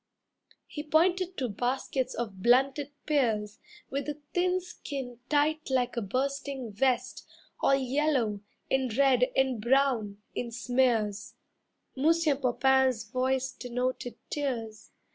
He pointed to baskets of blunted pears With the thin skin tight like a bursting vest, All yellow, and red, and brown, in smears. Monsieur Popain's voice denoted tears.